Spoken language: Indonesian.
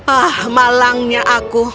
ah malangnya aku